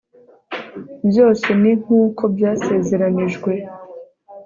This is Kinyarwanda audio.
byose ni nkuko byasezeranijwe